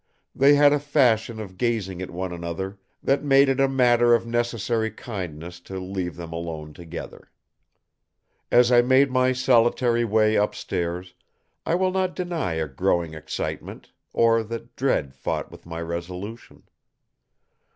They had a fashion of gazing at one another that made it a matter of necessary kindness to leave them alone together. As I made my solitary way upstairs, I will not deny a growing excitement, or that dread fought with my resolution.